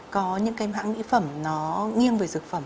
có những cái hãng mỹ phẩm nó nghiêng về dược phẩm